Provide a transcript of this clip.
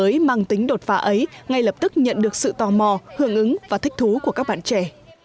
mới mang tính đột phá ấy ngay lập tức nhận được sự tò mò hưởng ứng và thích thú của các bạn trẻ